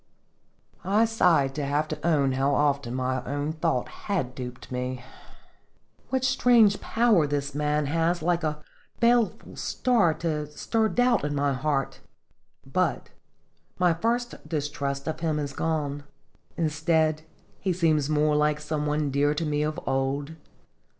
I sighed to have to own how often my own thought had duped me. What strange power this man has like a baleful star to stir doubt in my heart ! But my first distrust of him is gone; instead, he seems more like some one dear to me of old.